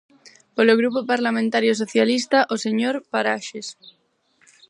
Polo Grupo Parlamentario Socialista, o señor Paraxes.